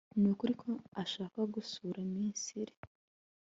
Nukuri ko ashaka gusura Misiri